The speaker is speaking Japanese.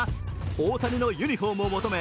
大谷のユニフォームを求め